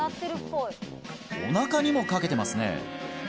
おなかにもかけてますね